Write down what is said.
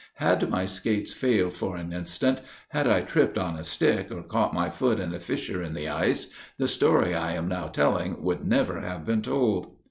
"Had my skates failed for one instant, had I tripped on a stick, or caught my foot in a fissure in the ice, the story I am now telling would never have been told.